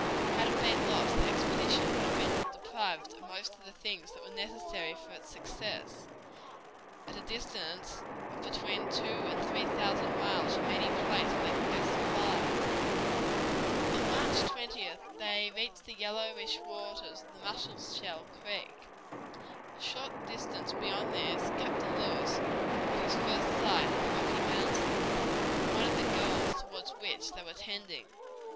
Had it been lost the expedition would have been deprived of most of the things that were necessary for its success, at a distance of between two and three thousand miles from any place where they could get supplies. On May 20th they reached the yellowish waters of the Musselshell River. A short distance beyond this Captain Lewis caught his first view of the Rocky Mountains, one of the goals toward which they were tending.